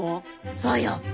そうよ。